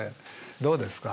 どうですか？